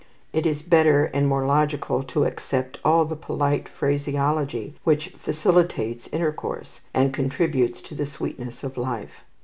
It is better and more logical to accept all the polite phraseology which facilitates intercourse, and contributes to the sweetness of life.